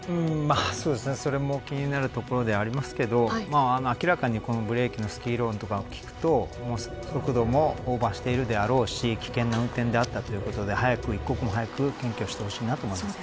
それも気になるところではありますけど明らかに、ブレーキのスキール音とかを聞くと速度もオーバーしてるだろうし危険な運転だったということで一刻も早く検挙してほしいと思います。